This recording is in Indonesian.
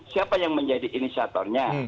siapa yang menjadi inisiaturnya